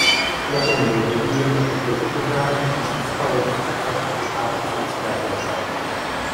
Letoun byl vyvíjen jako "protipožární" a získal ruský certifikát hasičského letadla.